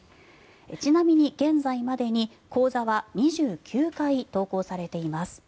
ちなみに現在までに講座は２９回投稿されています。